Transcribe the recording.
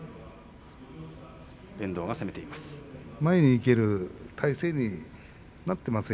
遠藤が攻めています。